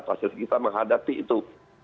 pasir kita menghadapi itu